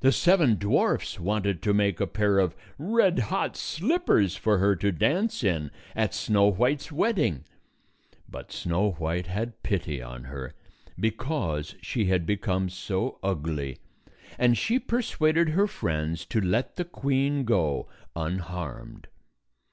The seven dwarfs wanted to make a pair of red hot slippers for her to dance in at Snow White's wedding. But Snow White had pity on her, because she had become so ugly, and she persuaded her friends to let the queen go unharmed.